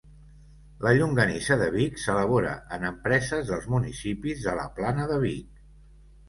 La Llonganissa de Vic s'elabora en empreses dels municipis de la Plana de Vic.